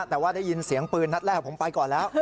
แต่ว่าได้ยินเสียงปืนนัดแรกผมไปก่อนแล้ว